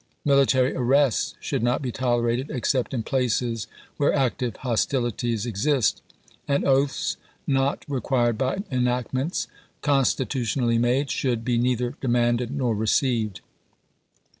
Military arrests should not be tolerated, except in places where active hostilities exist ; and oaths not required by enactments — constitutionally made — should be neither demanded nor received.